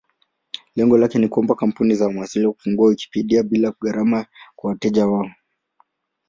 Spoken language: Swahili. Lengo lake ni kuomba kampuni za mawasiliano kufungua Wikipedia bila gharama kwa wateja wao.